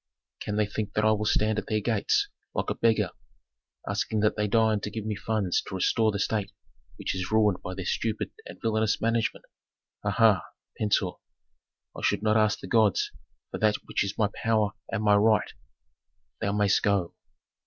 "Can they think that I will stand at their gates, like a beggar, asking that they deign to give me funds to restore the state which is ruined by their stupid and villanous management? Ha, ha! Pentuer, I should not ask the gods for that which is my power and my right Thou mayst go."